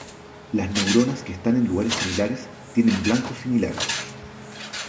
Las neuronas que están en lugares similares tienen blancos similares.